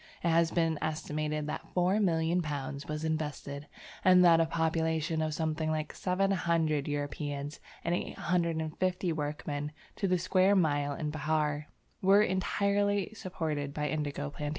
It has been estimated that four million pounds was invested, and that a population of something like 700 Europeans and 850 workmen to the square mile in Behar, were entirely supported by indigo plantations.